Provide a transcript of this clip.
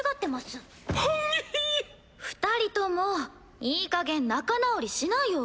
二人ともいいかげん仲直りしなよ。